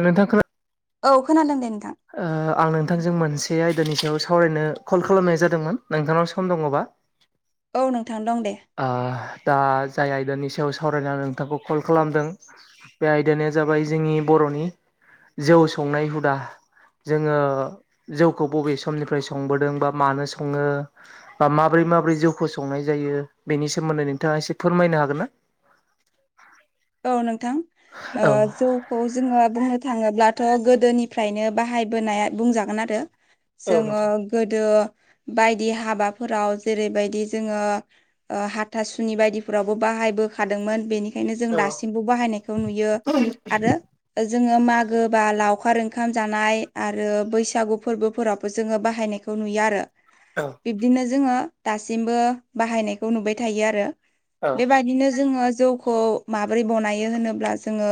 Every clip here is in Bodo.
नोंथां खोना औ खोनादों दे नोंथां आं नोंथांजों मोनसे आयदानि सायाव सावरायनो कल खालामनाय जादोंमोन नोंथांनाव सम दङबा औ नोंथां दं दे दा जाय आयदानि सायाव सावरायनो आं नोंथांखौ कल खालामदों। बे आयदायानो जाबाय जोंनि बर'नि जौ संनाय हुदा जोङो जौखौ बबे समनिफ्राय संबोदों बा मानो सङो बा माबोरै माबोरै जौखौ संनाय जायो बेनि सोमोन्दै नोंथाङा एसे फोरमायनो हागोन ना? औ नोंथां औ जौ। खौ जोङो बुंनो थाङोब्लाथ' गोदोनिफ्रायनो बाहायबोनाया बुंजागोन आरो औ जोङो नोंथां गोदो बायदि हाबाफोराव जेरैबायदि जोङो हाथासुनि बायदिफोरावबो बाहायबोखादोंमोन बेनिखायनो जों औ दासिमबो बाहायनायाय बेखौ नुयो आरो। जोङो मागो बा लावखार ओंखाम जानाय आरो बैसागु फोरबोफोरावबो जोङो बाहायनायखौ बेखौ नुयो आरो। औ। बिब्दिनो जोङो दासिमबो बाहायनायखौ नुबाय थायो आरो औ उम बेबायदिनो जोङो जौखौ माबोरै बनायो होनोब्ला जोङो।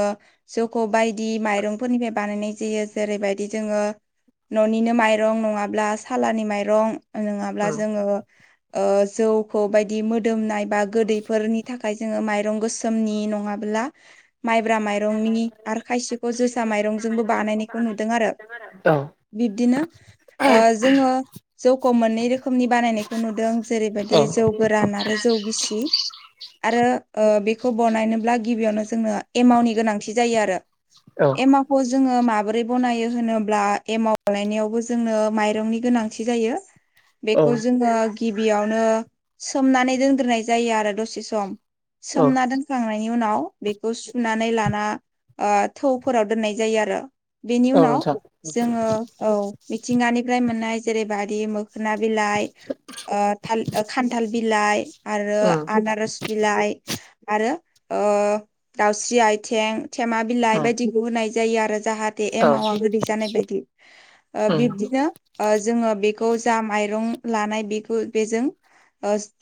जखौ' बायदि माइरंफोरनिफ्राय बानायनाय जायो जेरैबायदि जोङो। न'निनो माइरं नङाब्ला सालानि माइरं नङाब्ला जोङो। जौखौ बायदि मोदोमनाय बा गोदैफोरनि थाखाय जोङो माइरं गोसोमनि नङाब्ला माइब्रा माइरं मिनि आरो खायसेखौ जोसा माइरंजोंबो बानायनायखौ नुदों आरो। औ बिब्दिनो जोङो जौखौ मोननै रोखोमनि बानायनायखौ नुदों जेरैबायदि औ जौ गोरान आरो जौ गिसि आरो बेखौ बनायनो गिबियावनो जोंनो एमावनि गोनां जायो आरो खौ जोङो माबोरै बनायो होनोब्ला एमावलायनायावबो जोंनो माइरंनि गोनांथि जायो औ बेखौ जोङो गिबियावनो सोमनानै दोनग्रोनाय जायो आरो दसे सम औ सोमना दोनखांनाय नि उनाव बेखौ सुनानै लाना थौफोराव दोननाय जायो आरो। बेनि औ उनाव नोंथां जोङो औ मिथिंगानिफ्राय मोननाय जेरैबायदि। खोना बिलाइ थाल खान्थाल बिलाइ आरो उम आनारस बिलाइ आरो दाउस्रि आइथिें थेमा बिलाइ उम बायदि होनाय जायो आरो जाहाथे औ एमावा गोदै जानाय बायदि औ बिब्दिनो जोङो बेखौ जा माइरं लानाय बेखौ बेजों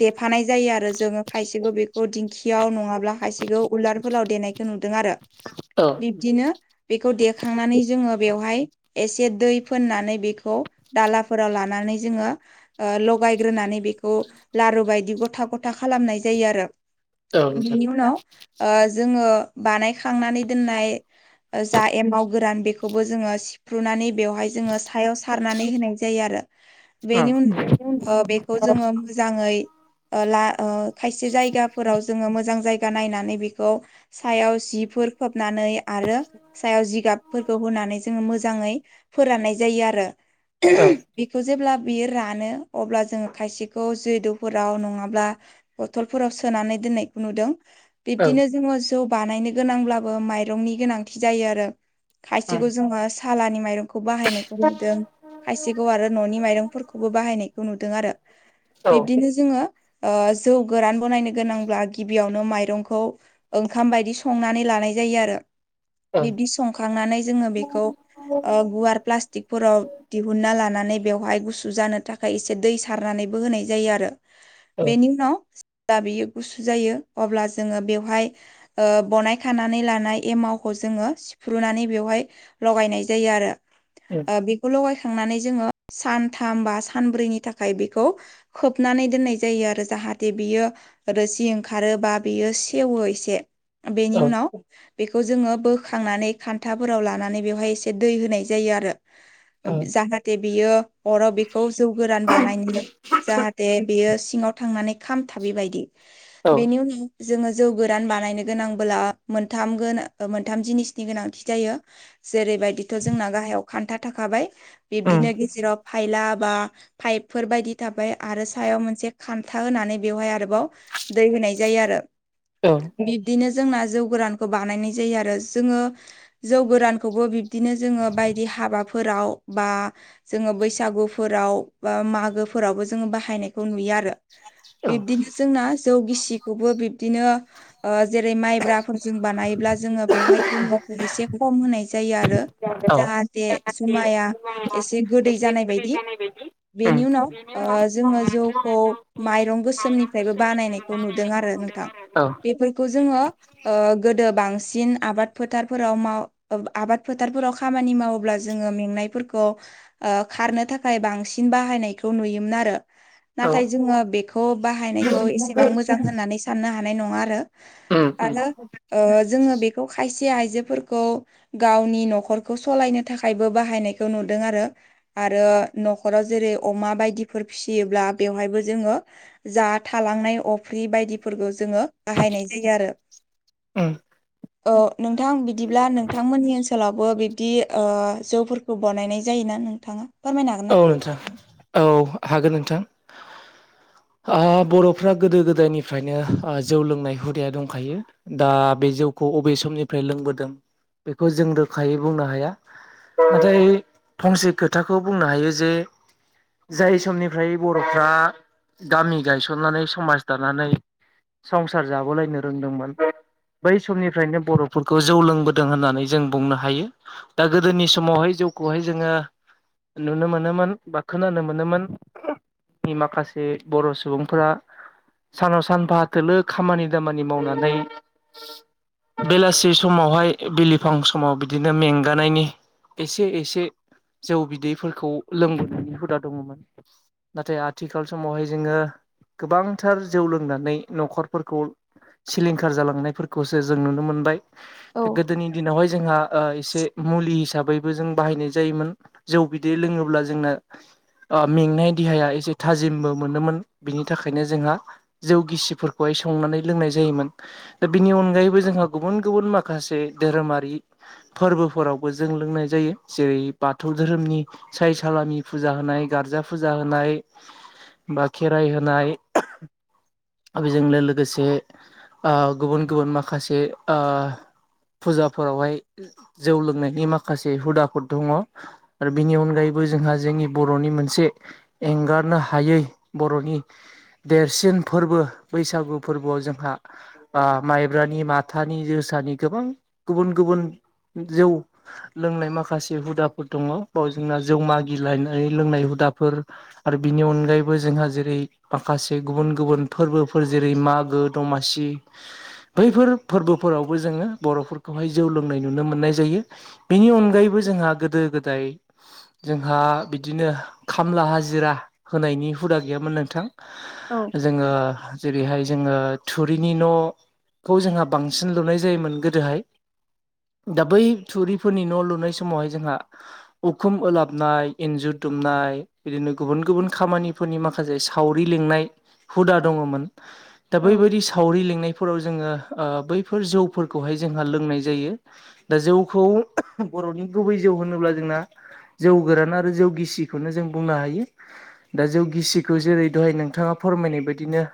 देफानाय जायो आरो जोङो खायसेबो बेखौ दिंखियाव नङाब्ला खायसेखौ उलार फलाव देनायखौ नुदों आरो औ बिब्दिनो बेखौ देखांनानै जोङो बेवहाय एसे दै फोननानै बेखौ दालाफोराव लानानै जोङो लगायग्रोनानै बेखौ लारु बायदि गथा गथा खालामनाय जायो आरो नोंथां बेनि उनाव जोङो बानायखांनानै दोननाय जा एमाव गोरान बेखौबो जोङो सिफ्रुनानै बेवहाय जोङो सायाव सारनानै होनाय जायो आरो बेनि औ उनाव बेखौ जोङो मोजाङै ला खायसे जायगाफोराव जोङो मोजां जायगा नायनानै बेखौ सायाव जिफोर खोबनानै आरो सायाव जिगाबफोरखौ होनानै जोङो मोजाङै फोराननाय जायो आरो औ बेखौ जेब्ला बियो रानो अब्ला जोङो खायसेखौ जो द'फोराव नङाब्ला बथलफोराव सोनानै दोननायखौ नुदों बिब्दिनो जोङो जौ बानायनो गोनांब्लाबो माइरंनि गोनांथि जायो आरो खायसेखौ औ जोङो सालानि माइरंखौ बाहायनाय नुदों खायसेखौ आरो न'नि माइरंफोरखौबो बाहायनायखौ नुदों आरो औ बिब्दिनो जोङो जौ गोरान बनायनो गोनांब्ला गिबियावनो माइरंखौ ओंखाम बायदि संनानै लानाय जायो आरो उम बिब्दि संखांनानै जोङो बेखौ गुवार प्लास्टिकफोराव दिहुनन्ना लानानै बेवहाय गुसु जानो थाखाय एसे दै सारनानैबो होनाय जायो आरो बेनि उनाव जब्ला बियो गुसु जायो अब्ला जोङो बेवहाय बनाय खानानै लानाय ए मावखौ जोङो सिफ्रुनानै बेवहाय लगायनाय जायो आरो। उम बेखौ लगायखांनानै जोङो सानथाम बा सानब्रैनि थाखाय बेखौ खोबनानै दोननाय जायो आरो जाहाथे बियो रोसि ओंखार खारोबा बियो सेवो एसे बेनि औ उनाव बेखौ जोङो बोखांनानै खान्थाफोराव लानानै बेवहाय एसे दै होनाय जायो आरो। औ उम जाहाथे बियो हराव बेखौ जौ गोरान बानायनो जाहाथे बेयो सिङाव थांनानै खामथाबि बायदि बेनि उनाव जोङो जौ गोरान बानायनो गोनांबोला मोनथाम गोनां मोनथाम जिनिसनि गोनांथि जायो। जेरैबायदिथ' जोंना गाहायाव खान्था थाखाबाय बिब्दिनो गेजेराव फायला बा पाइपफोर बायदि थाबाय आरो सायाव मोनसे खान्था होनानै बेवहाय आरोबाव दै होनाय जायो आरो। उम बिब्दिनो जोंना जौ गोरानखौ बानायनाय जायो आरो जोङो जौ गोरानखौबो बि बिदिनो जोङो बायदि हाबाफोराव बा जोङो बैसागुफोराव बा मागोफोरावबो जोङो बाहायनायखौ नुयो आरो। औ बिब्दिनो जोंना जौ गिसिखौबो बिब्दिनो जेरै माइब्राफोरजों बानायोब्ला जोङो बेवहाय एमुखौ एसे खम होनाय जायो आरो। औ औ जाहाथे जुमाया एसे गोदै जानाय बायदि बेनि उम उनाव जोङो जौखौ माइरं गोसोमनिफ्रायबो बानायनाय नुदों आरो नोंथां बेफोरखौ जोङो गोदो बांसिन आबाद फोथारफोराव माव आबाद फोथारफोराव खामानि मावोब्ला जोङो मेंनायफोरखौ खारनो थाखाय बांसिन बाहायनायखौ नुयोमोन आरो। औ नाथाय जोङो बेखौ बाहायनायखौ एसेबां मोजां होननानै साननो हानाय नङा आरो। उम उम आरो जोङो बेखौ खायसे आइजोफोरखौ गावनि न'खरखौ सालायनो थाखायबो बाहायनायखौ नुदों आरो। आरो न'खराव जेरै अमा बायदिफोर फिसियोब्ला बेवहायबो जोङो जा थालांनाय अफ्रि बायदिफोरखौ जोङो बाहायनाय जायो आरो। उम औ नोंथां बिदिब्ला नोंथांमोननि ओनसोलावबो बे बिदि जौफोरखौ बानायनाय जायोना नोंथाङा फोरमायनो हागोन ना? औ नोंथां औ हागोन नोंथां। बर'फ्रा गोदो गोदायनिफ्रायनो जौ लोंनाय हुदाया दंखायो। दा बे जौखौ अबे समनिफ्राय लोंबोदों बेखौ जों रोखायै बुंनो हाया। नाथाय फंसे खोथाखौ बुंनो हायो जे जाय समनिफ्राय बर'फ्रा गामि गायसननानै समाज दानानै संसार जाबोलायनो रोंदोंमोन बै समनिफ्रायनो बर'फोरखौ जौ लोंबोदों होननानै जों बुंनो हायो। दा गोदोनि समावहाय जौखौहाय जोङो नुनो मोनोमोन बा खोनानो मोनोमोन। दि माखासे बर' सुबुंफोरा सानाव सानफा थोलो खामानि दामानि मावनानै बेलासि समावहाय बिलिफां समाव बिदिनो मेंगानायनि एसे एसे जौ बिदैफोरखौ लोंबोनायनि हुदा दङमोन। नाथाय आथिखाल समावहाय जोङो गोबांथार जौ लोंनानै न'खरफोरखौ सिलिंखार जालांनायफोरखौसो जों नुनो मोनबाय। औ गो दोनि दिनावहाय जोंहा एसे मुलि हिसाबैबो जों बाहायनाय जायोमोन जौ बि दै लोङोब्ला जोंना मेंनाय देहाया एसे थाजिमबो मोनोमोन बिनि थाखायनो जोंहा जौ गिसिफोरखौहाय संनानै लोंनाय जायोमोन। दा बिनि अनगायैबो जोंहा गुबुन गुबुन माखासे धोरोमारि फोरबोफोरावबो जों लोंनाय जायो जेरै बाथौ धोरोमनि साय सालामलामि फुजा होनाय गारजा फुजा होनाय बा खेराइ होनाय बेजोंनो लोगोसे गुबुन गुबुन माखासे ओ फुजाफोरावहाय जौ लोंनायनि माखासे हुदाफोर दङ। बिनि अनगायैबो जोंहा जोंनि बर'नि मोनसे एंगारनो हायै बर'नि देरसिन फोरबो बैसागु फोरबोआव जोंहा माइब्रानि माथानि जोसानि गोबां गुबुन गुबुन जौ लोंनाय माखासे हुदाफोर दङ बाव जोंना जौमागिलायनाय लोंनाय हुदाफोर आरो बिनि अनगायैबो जोंहा जेरै माखासे गुबुन गुबुन फोरबोफोर जेरै मागो दमासि बैफोर फोरबोफोरावबो जोङो बर'फोरखौहाय जौ लोंनाय नुनो मोननाय जायो। बिनि अनगायैबो जोंहा गोदो गोदाय जोंहा बिदिनो खामला हाजिरा होनायनि हुदा गैयामोन नोंथां औ जोङो जेरैहाय जोङो थुरिनि न'खौ जोंहा बांसिन लुनाय जायोमोन गोदोहाय दा बै थुरिफोरनि न' लुनाय समावहाय जोंहा उखुम एलाबनाय इन्जुर दुमनाय बिदिनो गुबुन गुबुन खामानिफोरनि माखासे सावरि लिंनाय हुदा दङमोन दा औ बैबायदि सावरि लिंनायफोराव जोङो बैफोर जौफोरखौहाय जोंहा लोंनाय जायो। दा जौखौ बर'नि गुबै जौ होनोब्ला जोंना जौ गोरान आरो जौ गिसिखौनो जों बुंनो हायो। दा जौ गिसिखौ जेरै दहाय नोंथाङा फोरमायनाय बायदिनो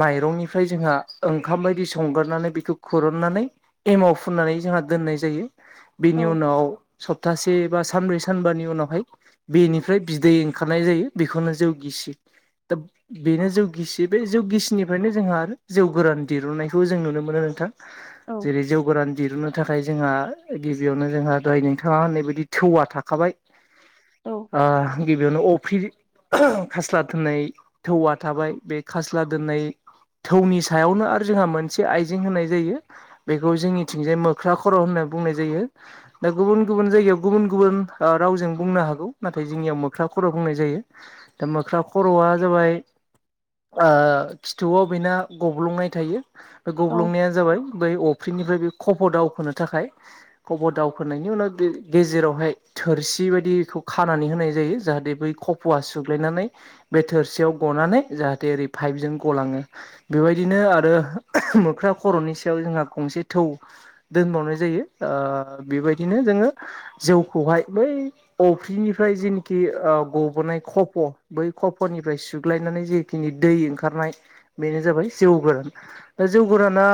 माइरंनिफ्राय जोंहा ओंखाम बायदि संगोरनानै बेखौ खुरननानै एमाव फुननानै जोंहा दोननाय जायो औ बेनि उनाव सप्तासे बा सानब्रै सानबानि उनावहाय बेनिफ्राय बिदै ओंखारनाय जायो बेखौनो जौ गिसि दा बेनो जौ गिसि बे जौ गिसिनिफ्रायनो जोंहा आरो जौ गोरान दिरुननायखौ जों नुनो मोनो नोंथां। औ जेरै जौ गोरान दिरुननो थाखाय जोंहा गिबियावनो जोंहा दनिं बिथाङा होननाय बदि थौवा थाखाबाय औ गिबियावनो अफ्रि खास्ला दोननाय थौ थाबाय बे खास्ला दोननाय थौनि सायावनो आरो जोंहा मोनसे आइजें होनाय जायो। बेखौ जोंनिथिंजाय मोख्रा खर' होनना बुंनाय जायो। दा गुबुन गुबुन जायगायाव गुबुन गुबुन रावजों बुंनो हागौ नाथाय जोंनियाव मोख्रा खर' बुंनाय जायो। दा मोख्रा खर'आ जाबाय खिथुआव बेना गब्लुंनाय थायो। बे गब्लुंनाया जाबाय बै अफ्रिनिफ्राय बे खफ' दावखोनो थाखाय खफ' दा होनायनि उनाव गेजेरावहाय थोरसि बायदिखौ खानानै होनाय जायो जाहाथे बै फवा सुग्लायनानै बे थोरसियाव गनानै जाहाथे ओरै पाइपजों गलाङो बेबायदिनो आरो मोख्रा खर'नि सायाव जोंहा गंसे थौ दोनबावनाय जायो बेबायदिनो जोङो जौखौहाय बै अफ्रिनिफ्राय जेनाखि गबनाय खफ' बै खफननिफ्राय सुग्लायनानै जेखिनि दै ओंखारनाय बेनो जाबाय जौ गोरान दा जौ गोराना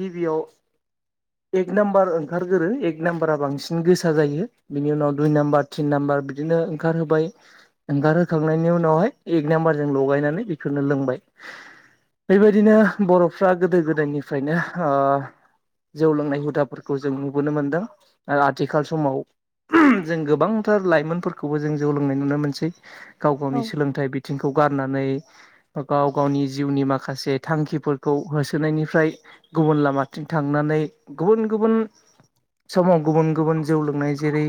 गिबियाव एक नाम्बार ओंखारगोरो ए एक नाम्बारा बांसिन गोसा जायो बिनि उनाव दुइ नाम्बार थिन नाम्बार बिदिनो ओंखार होबाय ओंगखारहोखांनायनि उनावहाय एक नाम्बार ज लगायनानै बेफोरनो लोंबाय बेबायदिनो बर'फ्रा गोदो गोदायनिफ्रायनो जौ लोंनाय हुदाफोरखौ जों नुबोनो मोनदों आथिखाल समाव जों गोबांथार लाइमोनफोरखौबो जों जौ लोंनाय नुनो मोनसै गाव गावनि औ सोलोंथाइ बि आथिंखौ गारनानै गाव गावनि जिउनि माखासे थांखिफोरखौ होसोनायनिफ्राय गुबुन लामाथिं थांनानै गुबुन गुबुन समाव गुबुन गुबुन जौ लोंनाय जेरै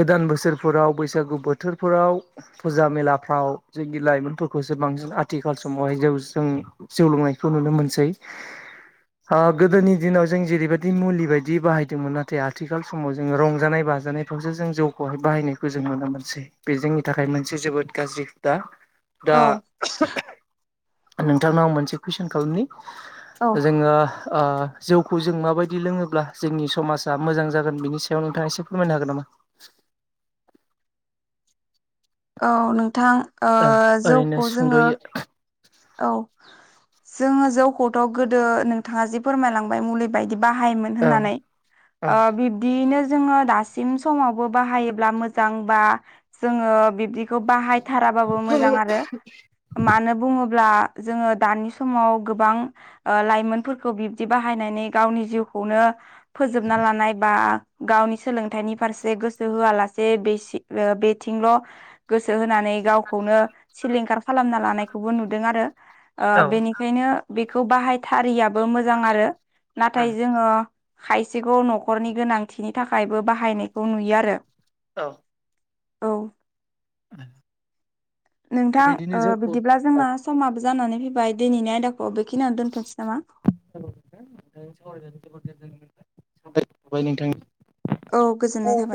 गोदान बोसोरफोराव बैसागु बोथोरफोराव फुजा मेलाफ्राव जोंनि लाइमोनफोरखौसो बांसिन आथिखाल समावहाय जौ जों जौ लोंनायखौ नुनो मोनसै। गोदोनि दिनाव जों जेरैबायदि मुलि बायदि बाहाय फदोंमोन नाथाय आथिखाल समाव जोङो रंजानाय बाजानायफ्रावसो जों जौखौहाय बाहायनायखौ जों नुनो मोनसै। बे जोंनि थाखाय मोनसे जोबोद गाज्रि हुदा दा औ नोंथांनाव आं मोनसे कुइसन खालामनि औ जोङो जौखौ जों माबायदि लोङोब्ला जोंनि समाजा मोजां जागोन बिनि सायाव नोंथाङा एसे फोरमायनो हागोन नामा? औ नोंथां औ ओरैनो जौखौ जोङो सुंद'यै औ जोङो जौखौथ' गोदो नोंथाङा जिे फोरमायलांबाय मुलि बायदि बाहायोमोन औ होननानै औ बिदियैनो जोङो दासिम समावबो बाहायोब्ला मोजां बा जोङो बिब्दिखौ बाहायथाराबाबो मोजां आरो मानो बुङो अब्ला जोङो दानि समाव गोबां लाइमोनफोरखौ बिब्दि बाहायनानै गावनि जिउखौनो फोजोबना लानाय बा गावनि सोलोंथाइनि फारसे गोसो होआलासे बेसे बेथिंल' गोसो होनानै गावखौनो सिलिंखार खालामना लानायखौबो नुदों आरो औ बेनि बेखायनो बेखौ बाहायथारिैयाबो मोजां आरो। नाथाय जोङो खायसेखौ न'खरनि गोनांथिनि थाखायबो बाहायनायखौ नुयो आरो। औ औ [inaudible] बेबायदिनो नोंथां जौखौ बिदिब्ला जोंना समाबो जानानै फैबाय दिनैनि आयदाखौ बेखिनियानो दोनथ'नोसै नामा? ं [unintelligible] नो सावरायानो जबोदजोन मोन सावाय नोंथां औ गोजोननाय औ थाबाय।